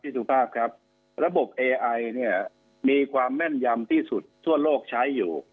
สุภาพครับระบบเอไอเนี่ยมีความแม่นยำที่สุดทั่วโลกใช้อยู่